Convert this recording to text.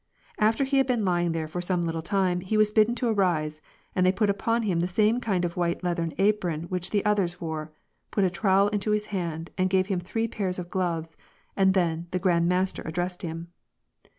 After he had been lying there for some little time, he was bidden to arise, and they put upon him the same kind of white leathern apron which the others wore, put a trowel into his hand, and gave him three pairs of gloves, and then the Grand Master ad(&essed him.